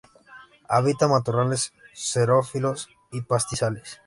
Habita matorrales xerófilos y pastizales.